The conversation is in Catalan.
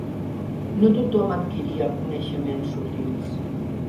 No tothom adquiria coneixements útils.